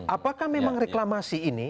apakah memang reklamasi ini